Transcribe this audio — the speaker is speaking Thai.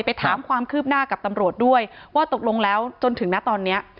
ไปถามความคืบหน้ากับตำรวจด้วยว่าตกลงแล้วจนถึงนะตอนนี้